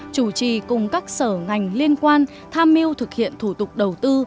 chủ trì cùng các sở ngành liên quan tham mưu thực hiện thủ tục đầu tư